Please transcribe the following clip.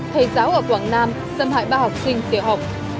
thầy giáo ở quảng nam xâm hại ba học sinh tiểu học